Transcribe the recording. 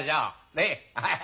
ねえ。ハハハ。